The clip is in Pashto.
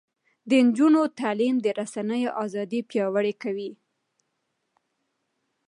د نجونو تعلیم د رسنیو ازادي پیاوړې کوي.